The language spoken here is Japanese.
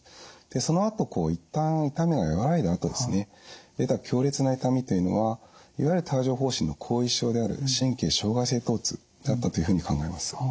でそのあと一旦痛みが和らいだあとですね出た強烈な痛みというのはいわゆる帯状ほう疹の後遺症である神経障害性とう痛だったというふうに考えます。